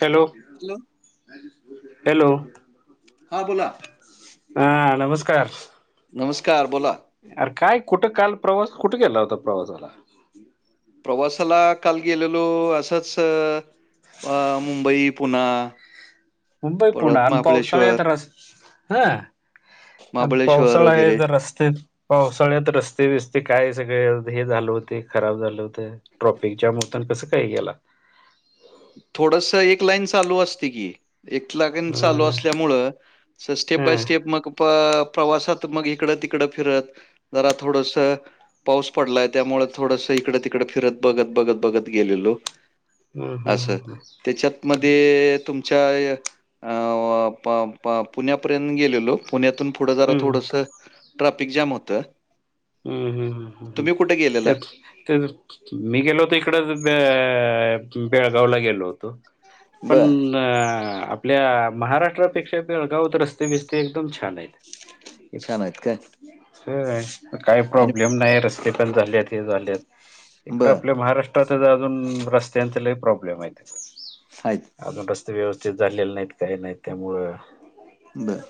Hello. Hello. Hello. हां बोला. हा नमस्कार. नमस्कार बोला.. अरे काय कुठं काल प्रवास कुठे केला होता प्रवासाला प्रवासाला काल गेलेलो असंच मुंबई पुना मुंबई पुणा आणि पावसाळ आता रस् हा. आणि महाबळेश्वर पावसाळा आहे वगैरे जर रस्तत पावसाळ्यात रस्ते बिस्ते काय सगळे हे झालं होते खराब झालं होत. ट्रॉपिकच्या मुताान कसं काही गेला. थोडस एक लाईन चालू असते की एक लाईन चालू हम्म असल्यामुळ स्टेप बाय हम्म स्टेप मग प्रवासात मग इकडं तिकडं फिरत जरा थोडंसं. पाऊस पडलाय त्यामुळे थोडस इकडे तिकडे फिरत बघत बघत बघत गेलेलो. हम्म असं हम्म त्याच्यात मध्ये तुम तुमच्या पुण्यापर्यंत गेलेलोक. पुण्यातून पुढं जरा हम्म थोडंस ट्राफिक जॅम होतं. हम्म हम् हम् हम्म हम् तुम्ही कुठे गेलेला? त्या मी गेलो होतो इकड बेळगावला गेलो होतो पण बरं. प आपल्या महाराष्ट्रापेक्षा बेळगावत रस्ते बिस्ते एकदम छान आहेत. छान आहेत काय? काही आणि प्रॉब्लेम नाही र. ेपल झाल्यात हे झालेत इकडं बरं आपल्या महाराष्ट्रातच अजून रस्त्यांचा काही प्रॉब्लेम आहेत. आहेत. अजून रस्ते व्यवस्थित झालेले नाहीत काही नाही त्यामुळं. बरं.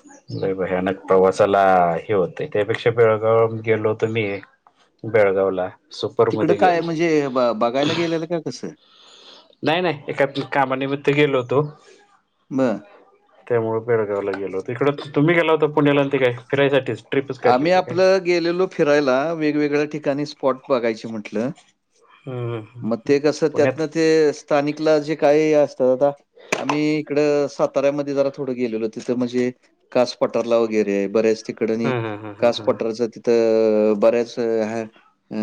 भयानक प्रवासाला ह होतय त्यापेक्षा बेळगा गेलो होत मी बेळगाव ला तिकडं काय म्हणजे बघायला गेलेलं काय कसं? नाही नाही एका कामानिमित्त गेलो होतो. बर. त्यामुळे बेळगावला गेलोत इकडं तुम्हीेला होता पुण्याला आणि त काय फिरायसाठीच. ट्रिपच काढली आम्ही होती काय आपलं गेलेलो फिरायला वेगवेगळ्या ठिकाणी स्पॉट बघायचे म्हटलं. हम्म हम्म मग ते कसं पुण्यात त्यातन ते स्थानिकला जे काय असतात आता आम्ही इकडं साताऱ्यामध्ये जरा थोडं गेलेलो तिथं म्हणजे कास पटारला वगैरे बऱ्याच तिकडंनी हम्म हम्म हम्म हम्म असं तिथं बऱ्याच ह अ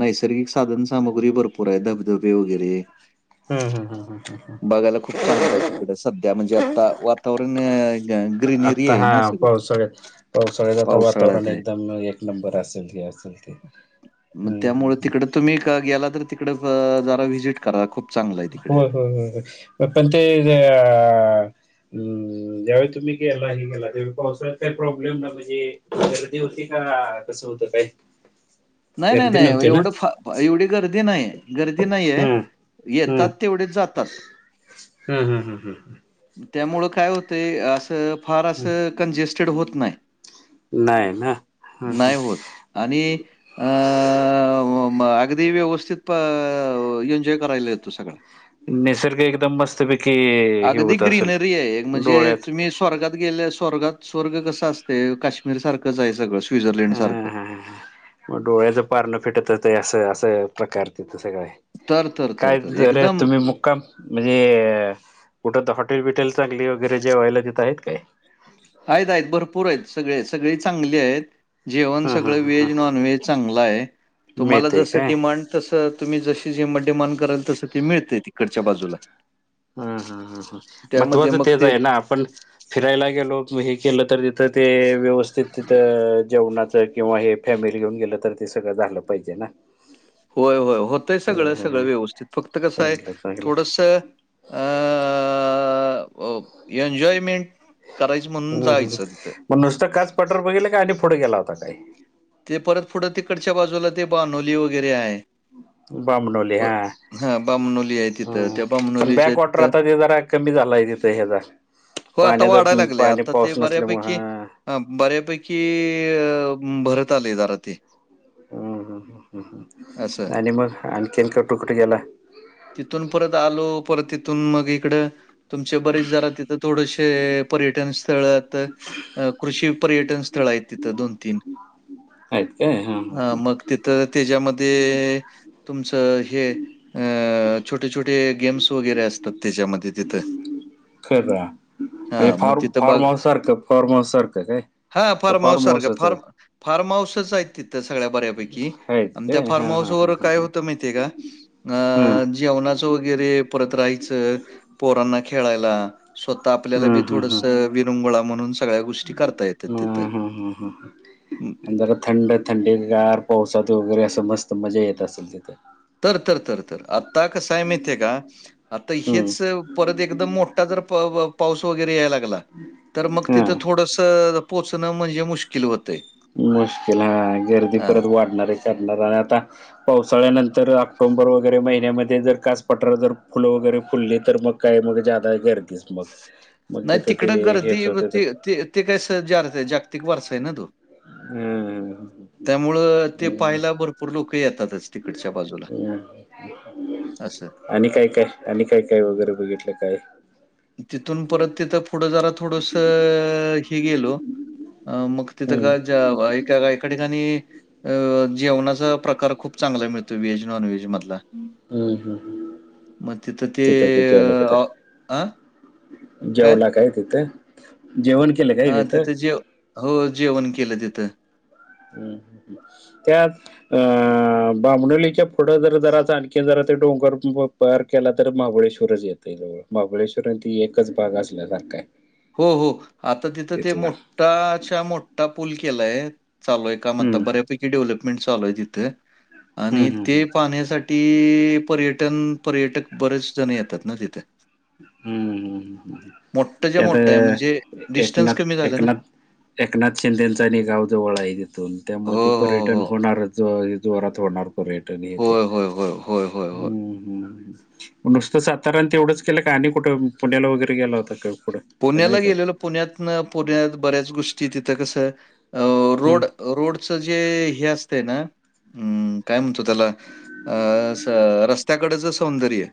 नैसर्गिक साधन सामग्री भरपूर आहे धबधबे वगैरे. हम्म हम्म हम्म हम्म हम्म बघायला खूप चांगलं आहे तिकड सध्या म्हणजे आता [unintelligible] आता ग्रीनरीय ना हा सगळी पावसाळ्यात पावसाळ्यात आता वातावरण एकदम एक नंबर असंल की असंल की मग हम्म त्यामुळं हम् तिकडं तुम्ही गेला तर तिकडं जरा व्हिजिट करा खूप चांगलं आहे तिकडे. होय होय होय पण ते अ हम्म ज्यावेळी तुम्ही गेला हे केला त्यावे पावसाळ्यात काही प्रॉब्लेम ना म्हणजे गर्दी होती का कसं होतं काय? नाही नाही गर्दी नाही नव्हती ना एवढं फा एवढी गर्दी नाही गर्दी नाहीय हम्म येतात तेवढेच जातात. हम हम हम हम. त्यामुळं काय होतय असं फार हम्म असं कंजेस्टेड होत नाही. नाही ना ह ह नाही होत आणि अ म अगदी व्यवस्थित प एन्जॉय करायला येतो सगळां. निसर्ग एकदम मस्त पैकी अगदी ग्रीनरीय म्हणजे तुम्ही स्वर्गात गेल्या स्वर्गात स्वर्ग कस असते काश्मीर सारखंच हाय सगळं हम् स्वित्झर्लंडसारखं. हम् हं मग डोळ्याचं पारनं फेटत असं असं प्रकार तिथं सगळाय तर, तर, तर, काय तर रे एकदम तुम्ही मु काम म्हणजे कुठं तर हॉटेल बिटेल चांगली वगैरे जेवायला तिथं आहेत काय? आहेत आहेत भरपूर आहेत सगळे सगळे चांगलेयत. जेवण ह ह सगळं ह ह व्हेज नॉन व्हेज चांगलाय तुम्हाला मिळते जसं काय डिमांड तसं तुम्ही जशी डिमांड कराल तसं ते मिळतय तिकडच्या बाजूला. हम हं हं त्यामध्ये महत्वाचं मग तेच ते आहे ना, आपण फिरायला गेलो हे केलं तर तर ते व्यवस्थित तिथं जेवणाचं किंवा हे फॅमिली घेऊन गेलं तर ते सगळं झालं पहिजे ना. होय होय होतंय हं सगळं सगळं हं व्यवस्थित फक्त कसंय चांगलं चांगलं थोडस [unintelligible] एंजॉयमेंट हम् हम मग नुसतं कास पठार बघितल का आणि पुढे गेला होता काही? ते परत पुढं तिकडच्या बाजूला ते बानोली वगैरे आहे. बामणवली प हा हा बामणोली आहे तिथं हम्म. त्या पण बामणोली च्या बॅक वॉटर तिथं आता ते जरा कमी झाला आहे तिथं ह्याचा हो, आता पाण्याचा वाढायला पाणी पाऊस नसल्यामुळें हा हा बऱ्यापैकी भरत आले जरा ते हम्म असं. ह्म्म आणि मग आणखी कुठं कुठं गेला? तिथून परत आलो परत तिथून मग इकडं तुमचे बरेच जरा तिथं थोडशे पर्यटन स्थळं [unintelligible] कृषी पर्यटन स्थळं आहेत तिथं दोन तीन आहेत काय हां ह हां तिथं त्याच्यामध्ये तुमचं हे अं छोटे छोटे गेम्स वगैरे असतात त्याच्यामध्ये तिथं खरं म्हजे हां, मग फार तिथं बघा फार्म हाऊस सारखं फार्म हाऊस सारखं काय? हा फार्म हाऊस सारखं फार्म फार्म हाऊसच आहेत तिथं सगळ्या बऱ्यापैकी आहेत आणि काय त्या फार्म हा हाऊस हा हा वर हा काय हा. होतं माहि ते का हम्म अ जेवणाचं वगैरे परत राहायचं. पोरांना खेळायला स्वतः आपल्याला हम्म बी हम्म हम्म थोडसं विरंगुळा म्हणून सगळ्या गोष्टी करता येतात तिथं. हम् हम् हम् ‌ हं. आणि जरा थंड थंडी गार पावसात वगैरे असं मस्त मजा येत असेल तिथे? तर तर तर तर आता कसंय माहतीय का आता हम्म हेच परत एकदम मोठा जर प ब पाऊस वगैरे, यायला लागला तर मग हा तिथं थोडस पोहचणं म्हणजे मुश्किल होतय. मुश्किल हा गर्दी परत वाढणारही करणार आणि आता. [unintelligible] पावसाळ्यानंतर ऑक्टोंबर वगैरे महिन्यामध्ये, जर काच पठार जर फुलं वगैरे फुलली तर मग काही मग जदा गर्दीच मग मग नाही तिथं तिकडं ते गर्दी हेच होते ते ते ते काय जारत [unintelligible] आहे जागतिक वारसा आहे ना तो. हम्म त्यामुळं ते पाहायला भरपूर लोक येतातच. तिकडच्या बाजूला असं आणि काय काय आणि काय काय वगैरे बघितलं काय, तिथून परत तिथं पुढं जरा थोडंस हे गेलो. अ मग तिथं ग हम्म जा व ऍका एका ठिकाणी. अ जेवणाचा प्रकार खूप चांगला मिळतो, व्हेज, नॉनव्हेज मधला. हम्म हम्म मग तिथं ते जेवला का अ अं जेवला काय तिथं जेवण? केलं काय हा तिथं जेव हो जेवण केलं तिथं. हम्म त्यात अ बाबणोलीच्या पुढ जर, जरा आणखी जरा ते डोंगर [unintelligible] तयार केला तररी महाबळेश्वरच येत. महाबळेश्वर ती एकच भाग असल्या सारखा हे. हो हो आता तिथं ते मोठ्ठा, चा मोठ्ठा, पूल केलाय चालू आहे. काम आता हम्म. बर्‍यापैकी डेव्हलपमेन्ट चालू हाय तीथ आणि हम्म, हम्म, ते हम्म. पाहण्या साठ ती पर्यटन, पर्यटक बरेच जण येतात ना तिथ. हम्म मोठंच्या त्यात मोठं आहे म्हणजे डिस्टन्स कमी एकनाथ झालं ना. एकनाथ एकनाथ शिंदेचा आणि गावजवळ आहे. तिथून त्यामुळे हो, ते हो, पर्यटन हो. होणारच. ज य जोरात होणार पर्यटक येथे. होय, होय, होय, होय, होय, होय. नुसतं सातारान तेवढंच केलं का आणि कुठे, पुण्याला वगैरे गेला होता का? पुढं का नाही पुण्याला काय गेलेलं पुण्यात, पुण्यात बऱ्याच गोष्टी तिथं कस अ हम्म रोड रोडचं जे हे असते ना, हम्म. काय म्हणतो त्याला अ अस रस्त्याकडेच सौंदर्य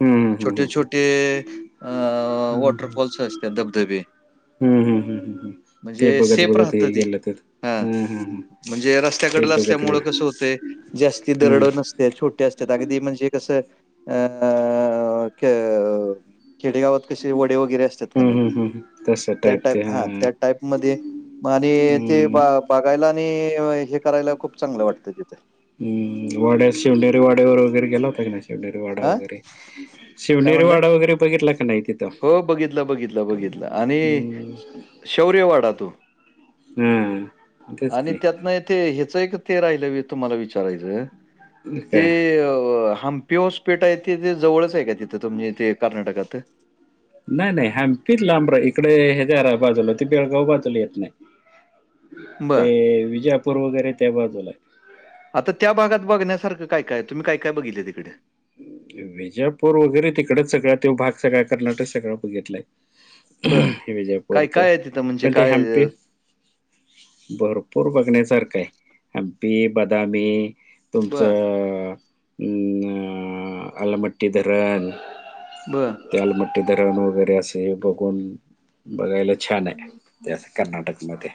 हम्म हम्म हम्म, छोटे हम्म छोटे अ हम्म वॉटरफॉल्स असत धबधबे हम्म हम्म हम्म हम्म. ते म्हणजे बघत सेफ बघत राहत हे ते गेलं हा हम्म हम्म हम्म म्हणजे ते रस्त्याकडल, बघत असल्यामुळं गेलं कसं होतय. जास्ती हम्म दरड नस ज्या छोट्या असत्यात अगदी. म्हणजे कसं अ क्य खेडेगावात कसे वड्या [unintelligible] असत्यात का हम्म नई, हम्म हम्म तस त्या टाईप ते हा हां त्या टाईप मध्ये आणि ते हम्म बा अ बघायला नी, हे करायला खूप चांगलं वाटतं तिथे. हम्म वाड्यात शिवनेरी वाड्यावर वगैरे, गेला होता की नाही? शिवनेरी वाडा हां, वगैरे, काय शिवनेरी म्हटला? वाडा वगैरे, बघितला का नाही तिथं? हो बघितलं, बघितलं, बघितलं, आणि हम्म. शौर्यवाडा तो. हा तेच आणि की त्यातन ए ते ह्याचं एक ते राहिलं तुम्हांला विचारायचं. ते काय हाम्पी ओस पेठ आहे ते जवळचं आहे कां? तिथं तुमजे ते कर्नाटकांत हे नाय नाय हॅम्पीच लांबरा इकडे हे जारा बाजूला. त बेळगाव बाजूला येतं नाहीं. ते बरं. विजयापूर वगैरे त्या बाजूला हे. आता त्या भागात बघण्यासारखं काय, काय तुम्ही काय, काय बघितलंय तिकडे? विजापूर वगैरे तिकडेच सगळ, त्यो भाग सगळा, कर्णाटक सगळा बघितलाय. बरं. विजयपूर का काय-काय आहे तिथं म्हणजे पण ते काय हम्पी अ, भरपूर बघण्यासारखं आहे हमपी बदामी तुमच्? बरं, आलमट्टी धरन बरं, [unintelligible] अलमट्टी धरण वगैरे असे बघून बघायला छान, आहे ते असं कर्नाटक म ते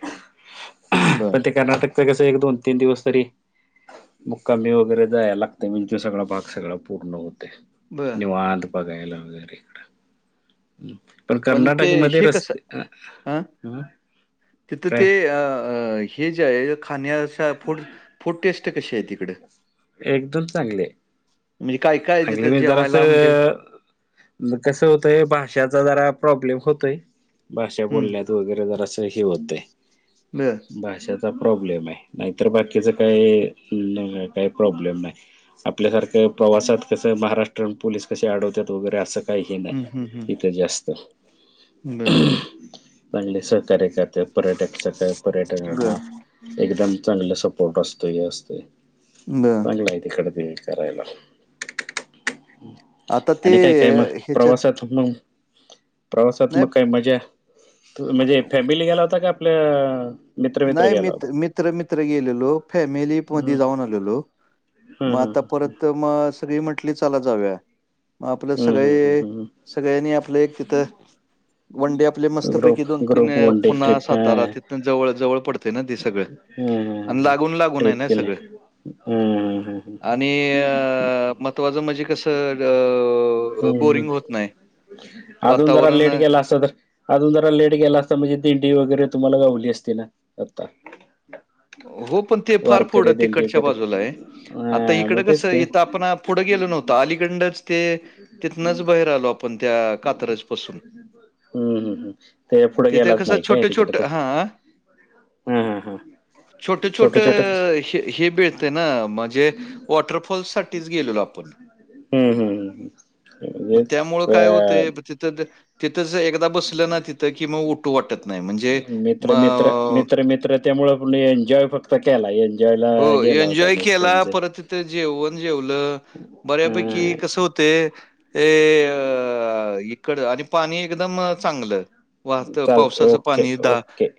बर. पण ते कर्नाटकच कसं एक दोन तीन दिवस तरी मुक्कामी वगैरे जायला लागत म्हणे सगळा भाग सगळं पूर्ण होते बरं. निवांत बघायला वगैरे इकडं. पण ते कर्नाटक मध्ये हे कसं रस्ते अं तिथ ते अ हे अ. हे जे आहे खाण्याचा फूड फूड टेस्ट कशीं आहे तिकडं? एकद चांगले काय-काय आहे चांगली म्हणल तिथं मी जेवायला म्हणजे? जरासं कसं होतंय भाषाचा जरा प्रॉब्लेम होतोय भाषा हं. बोलण्या तू वगैरे जरासं हे होतंय [inaudible] भाषेचा प्रॉब्लेम आहे नाहीतर, बाकीचं कांहीं काहीं प्रॉब्लेम नाही. आपल्यासारखं प्रवासात कसं महाराष्ट्र पोलीस कशे अडवतात वगैरे असं काही हे नाही इथं जास्त. ब पण लैय सहकार्य करत्या पर्यटक सगळया पर्यटकांना बरं, एकदम चांगले सपोर्ट असतो हे असते बरं. चांगलंय आहे तिकडे ते करायला. आता ते आणि काय काय मग ह्याच्यात प्रवासात मगं प्रवासांत नाही मगं काय मज्जा त म- म्हणजे फॅमिली गेला होता का पल्या नाही मित मित्र मित्र गेलेलो फॅमिली मध्ये हम्म जाऊन आलेलो. हम्म म आता हम्म परत म सगळी म्हटली चला जाऊंया. म आपलं हम्म हम्म हम्म सगळे हम्म सगळ्यांनी आपलं एक तिथं. वन डे आपले हम्म. मस्तपैकी ग्रुप दोन तीन group one day Pune trip हा सातारा तिथन जवळचं जवळ पडते ना ते सगळं हा हा आन हा लागून लागून हाये ट्रिप ना केले सगळं. हा हा हा आणि अ महत्वाच म्हंजे कसं ग अ हम्म बोरिंग होत नाय अजून जरा वातावरण [unintelligible] अजून जरा लेट गेला असतां म्हणजे दिंडी वगैरे तुम्हांला गावली असती ना आता. हो पण ते फार फुढ वारकरी दिंडी तिकडच्या करत बाजूला हाय आता हा मग इकडं तेच कसं की इथं आपणं पुढं गेलं नव्हतो अलीकंडच त्या कात्रजपासून. हम्म हम्म हम्म. ते पुढे तिथे गेलाच कसं नाही काय तिकडे ते छोटं-छोटं हां, हां हां हां. छोट छोट हे हे मिळतें ना म्हंजे वॉटरफॉल्स साठीच गेलेलो आपणं. हम्म हम्म हम्म म्हंजे अ तिथ तिथंच एक. बसलं ना तिथ कि मग उटू वाटत नाही म्हणजे म मित्र मित्र मित्र मित्र त्यामुळे प एन्जॉय करत. हो एन्जॉय नुसतं केला म्हणजे परत तथं जेवण जेवलं. बऱ्यापैकी अ, कस होते. हे इकड आणि पाणी एकदम चांगलं. वाहत चालते पावसाचं ओके पाणी द. ओके